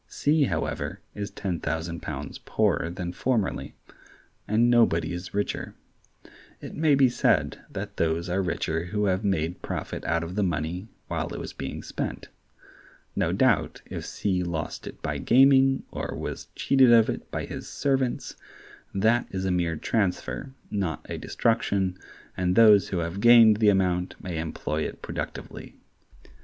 C, however, is ten thousand pounds poorer than formerly; and nobody is richer. It may be said that those are richer who have made profit out of the money while it was being spent. No doubt if C lost it by gaming, or was cheated of it by his servants, that is a mere transfer, not a destruction, and those who have gained the amount may employ it productively.